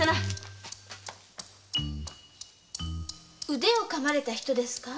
腕をかまれた人ですか？